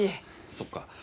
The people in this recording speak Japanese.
そっか。